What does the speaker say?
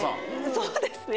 そうですね。